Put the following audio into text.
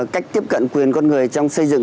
cách tiếp cận quyền con người trong xây dựng